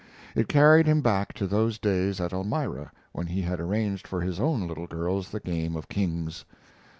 It carried him back to those days at Elmira when he had arranged for his own little girls the game of kings.